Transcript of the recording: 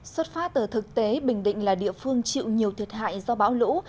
xuất phát từ thực tế bình định là địa phương chịu nhiều thiệt hại do bão lũ